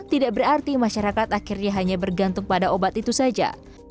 tidak berarti masyarakat akhirnya hanya bergantung pada obat itu saja